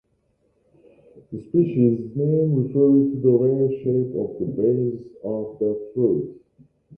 The species name refers to the rare shape of the base of the fruit.